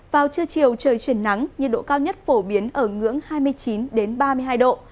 vào trưa chiều trời chuyển nắng nhiệt độ cao nhất phổ biến ở ngưỡng hai mươi chín ba mươi hai độ